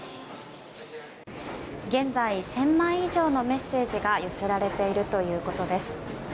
現在１０００枚以上のメッセージが寄せられているということです。